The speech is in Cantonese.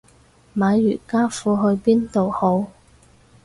買瑜伽褲去邊度好